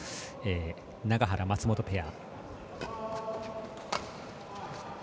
永原、松本ペア。